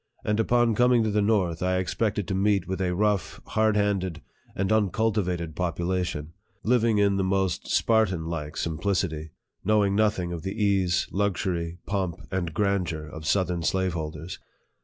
And upon com ing to the north, I expected to meet with a rough, hard handed, and uncultivated population, living in the most Spartan like simplicity, knowing nothing of the ease, luxury, pomp, and grandeur of southern slave holders.